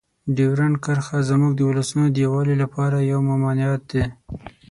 ډیورنډ کرښه زموږ د ولسونو د یووالي لپاره یوه ممانعت ده.